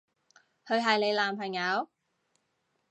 佢係你男朋友？